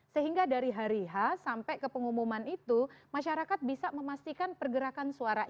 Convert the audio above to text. sehingga dari hari h sampai ke pengumuman itu masyarakat bisa memastikan pergerakan suara